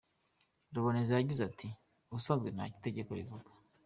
Ruboneza yagize ati “Ubusanzwe nta cyo itegeko rivuga.